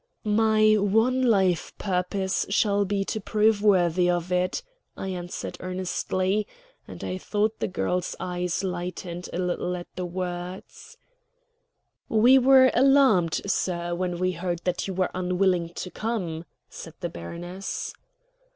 "My one life purpose shall be to prove worthy of it," I answered earnestly; and I thought the girl's eyes lightened a little at the words. "We were alarmed, sir, when we heard that you were unwilling to come," said the baroness.